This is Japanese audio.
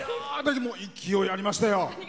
勢いありましたよ。